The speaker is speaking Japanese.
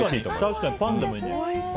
確かに、パンでもいいね。